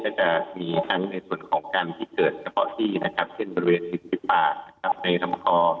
ก็จะมีทั้งในส่วนของการที่เกิดเฉพาะที่นะครับเช่นบริเวณริมฝีปากในลำคอ